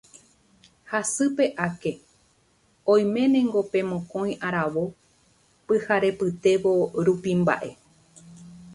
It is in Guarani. hasýpe ake oiménengo pe mokõi aravo pyharepytévo rupi mba'e.